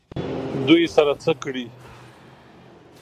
دوی سره څه کړي؟